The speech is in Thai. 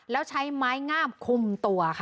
แล้วใช้ไม้งามคุมตัวค่ะ